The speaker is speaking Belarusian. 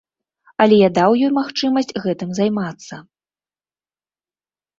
Але я даў ёй магчымасць гэтым займацца.